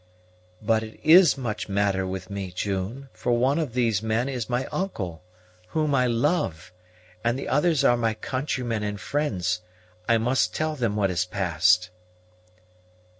"But it is much matter with me, June; for one of those men is my uncle, whom I love, and the others are my countrymen and friends. I must tell them what has passed."